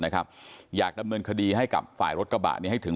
นะครับอยากดำเมิลคดีให้กลับฝ่ารถกระบานี้ให้ถึง